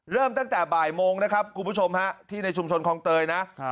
เริ่มตั้งแต่บ่ายโมงนะครับคุณผู้ชมฮะที่ในชุมชนคลองเตยนะ